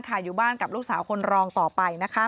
อยู่บ้านกับลูกสาวคนรองต่อไป